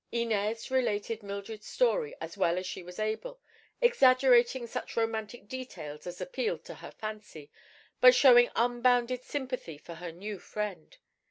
Inez related Mildred's story as well as she was able, exaggerating such romantic details as appealed to her fancy, but showing unbounded sympathy for her new friend.